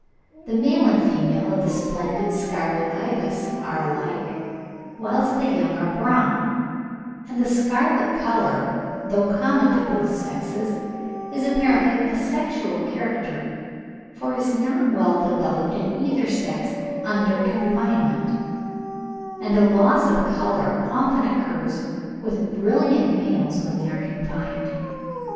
The male and female of the splendid scarlet ibis are alike, whilst the young are brown; and the scarlet colour, though common to both sexes, is apparently a sexual character, for it is not well developed in either sex under confinement; and a loss of colour often occurs with brilliant males when they are confined.